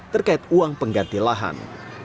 terkait uang pengganti lahan